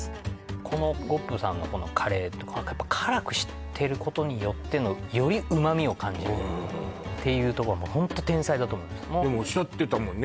このｇｏｐさんのこのカレーってやっぱ辛くしてることによってのより旨味を感じるへえていうところはホント天才だと思いますでもおっしゃってたもんね